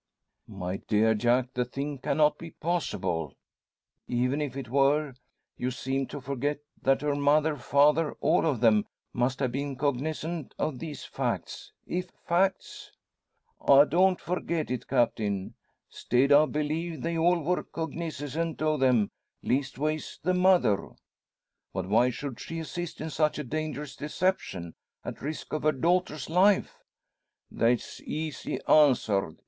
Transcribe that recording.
"My dear Jack, the thing cannot be possible. Even if it were, you seem to forget that her mother, father all of them must have been cognisant of these facts if facts?" "I don't forget it, Captain. 'Stead I believe they all wor cognisant o' them leastways, the mother." "But why should she assist in such a dangerous deception at risk of her daughter's life?" "That's easy answered.